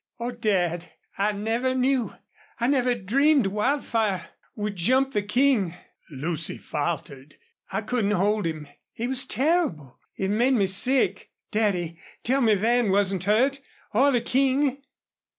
"Oh, Dad, I never knew I never dreamed Wildfire would jump the King," Lucy faltered. "I couldn't hold him. He was terrible.... It made me sick.... Daddy, tell me Van wasn't hurt or the King!"